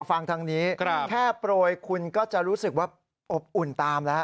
ฟังทางนี้แค่โปรยคุณก็จะรู้สึกว่าอบอุ่นตามแล้ว